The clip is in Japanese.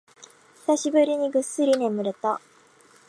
久しぶりにぐっすり眠れた